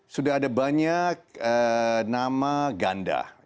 sudah ada banyak nama ganda